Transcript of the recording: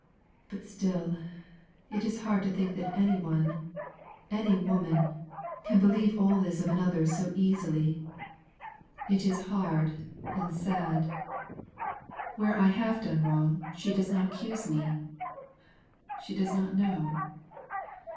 But still, it is hard to think that any one any woman can believe all this of another so easily. It is hard and sad. Where I have done wrong, she does not accuse me she does not know.